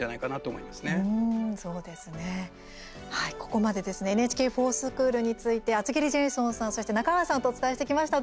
ここまでですね「ＮＨＫｆｏｒＳｃｈｏｏｌ」について、厚切りジェイソンさんそして中川さんとお伝えしてきました。